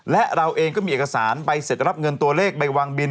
และเราเองก็มีเอกสารใบเสร็จรับเงินตัวเลขไปวางบิน